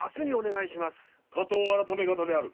火盗改方である。